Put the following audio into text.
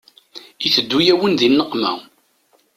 Iteddu-yawen di nneqma.